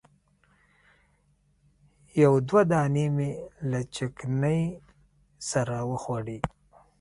یو دوه دانې مې له چکني سره وخوړلې.